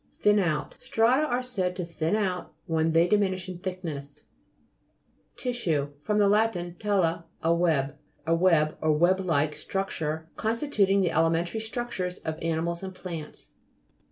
. THIN OUT Strata are said to thin out when they diminish in thickness. TISSUE fr. lat. tela, a web. A web, or web like structure, constituting the elementary structures of ani mals and plants.